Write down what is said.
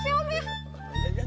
aku aku aku lihat om